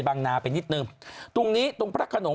นาไปนิดนึงตรงนี้ตรงพระขนง